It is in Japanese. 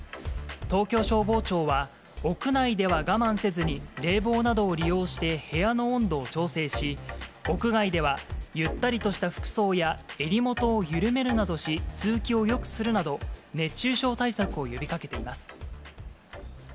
東京消防庁は、屋内では我慢せずに、冷房などを利用して部屋の温度を調整し、屋外では、ゆったりとした服装や、襟元を緩めるなどし、通気をよくするなど、熱中症対策を呼びかけています。